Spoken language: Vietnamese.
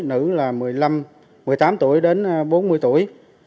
nữ là một mươi tám tuổi đến bốn mươi tuổi